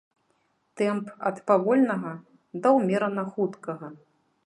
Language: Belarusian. Тэмп ад павольнага да ўмерана хуткага.